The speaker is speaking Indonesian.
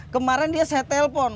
kemarin dia saya telpon